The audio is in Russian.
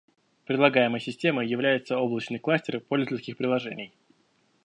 Предлагаемой системой является облачный кластер пользовательских приложений